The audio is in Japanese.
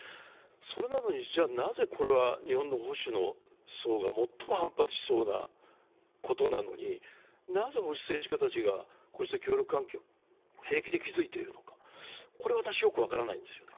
それなのにじゃあ、なぜ日本の保守の層が最も反発しそうなことなのになぜ保守政治家たちが協力関係を平気で築いているのかこれ、私、よく分からないんですよ。